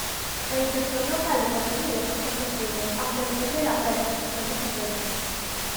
La inserción local de contenidos es posible, aunque depende de la planificación de frecuencias.